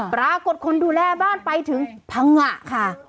ปรากฏคนดูแลบ้านไปถึงพังงะค่ะ